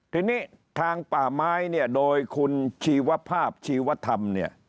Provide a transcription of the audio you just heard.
ทีนี้ทางป่าไม้เนี่ยโดยคุณชีวภาพชีวธรรมเนี่ย